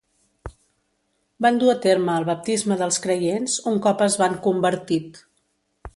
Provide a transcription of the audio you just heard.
Van dur a terme el baptisme dels creients un cop es van convertit.